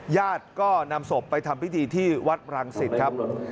ญาติก็นำศพไปทำพิธีที่วัดรังสิตครับ